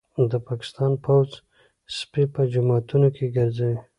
د پاکستان پوځ سپي په جوماتونو کي ګرځوي